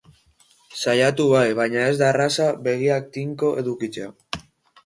Saiatu bai, baina ez da erraza begiak tinko edukitzea.